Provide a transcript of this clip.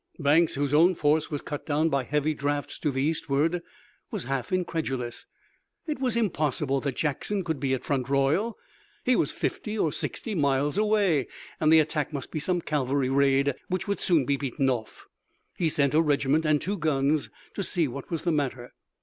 Banks, whose own force was cut down by heavy drafts to the eastward, was half incredulous. It was impossible that Jackson could be at Front Royal. He was fifty or sixty miles away, and the attack must be some cavalry raid which would soon be beaten off. He sent a regiment and two guns to see what was the matter.